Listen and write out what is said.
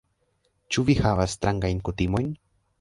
Ĉu vi havas strangajn kutimojn?